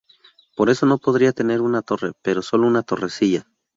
Por eso no podría tener una torre pero solo una torrecilla.